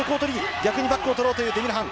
逆にバックを取ろうというデミルハン。